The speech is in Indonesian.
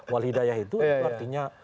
walhidayah itu artinya